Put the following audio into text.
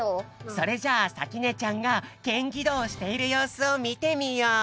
それじゃあさきねちゃんがケンギドーをしているようすを見てみよう！